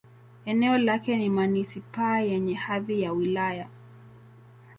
Eneo lake ni manisipaa yenye hadhi ya wilaya.